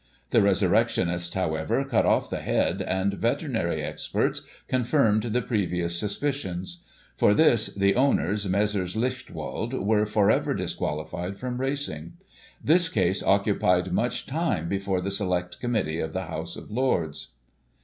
The resurrectionists, however, cut off the head, and veterinary experts confirmed the previous suspicions. For this, the owners, Messrs. Lichtwald, were, for ever, disqualified from racing. This case occupied much time before the Select Committee of the House of Lords.